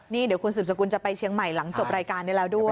นี่เดี๋ยวคุณสืบสกุลจะไปเชียงใหม่หลังจบรายการนี้แล้วด้วย